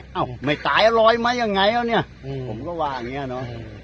นี่อ้ออยไม่ตายอย่างมายังไงจ้ะเนี่ยผมก็ว่าอย่างเงี้ยเนอะ